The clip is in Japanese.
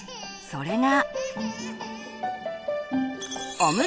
それが。